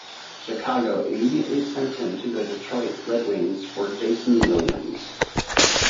Chicago immediately sent him to the Detroit Red Wings for Jason Williams.